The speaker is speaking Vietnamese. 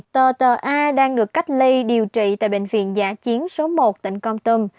tờ tờ a đang được cách ly điều trị tại bệnh viện giả chiến số một tỉnh công tâm